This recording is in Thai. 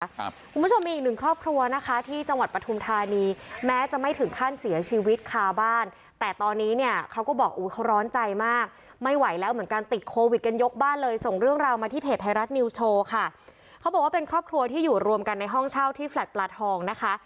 คุณผู้ชมมีอีกหนึ่งครอบครัวนะคะที่จังหวัดปฐุมธานีแม้จะไม่ถึงขั้นเสียชีวิตคาบ้านแต่ตอนนี้เนี่ยเขาก็บอกอุ้ยเขาร้อนใจมากไม่ไหวแล้วเหมือนกันติดโควิดกันยกบ้านเลยส่งเรื่องราวมาที่เพจไทยรัฐนิวส์โชว์ค่ะเขาบอกว่าเป็นครอบครัวที่อยู่รวมกันในห้องเช่าที่แลตปลาทองนะคะ